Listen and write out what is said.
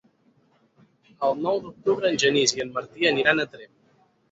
El nou d'octubre en Genís i en Martí aniran a Tremp.